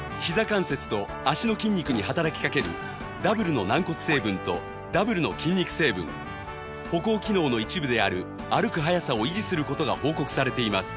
関節と脚の筋肉に働きかけるダブルの軟骨成分とダブルの筋肉成分歩行機能の一部である歩く早さを維持する事が報告されています